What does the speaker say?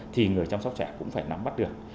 thì người chăm sóc trẻ cũng phải nắm bắt được